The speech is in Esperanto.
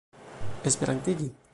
esperantigi